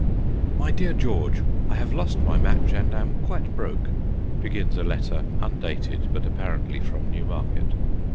'My dear George, I have lost my match and am quite broke/ begins a letter undated, but apparently from Newmarket.